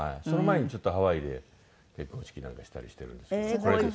その前にハワイで結婚式なんかしたりしてるんですけど。